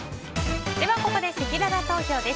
ここでせきらら投票です。